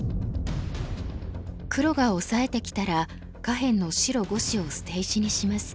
黒がオサえてきたら下辺の白５子を捨て石にします。